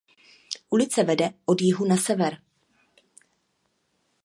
Ulice vede od jihu na sever.